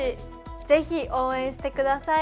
ぜひ応援してください。